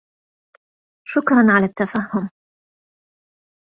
شكراً على التَفَهُّم